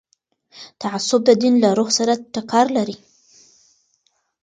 تعصب د دین له روح سره ټکر لري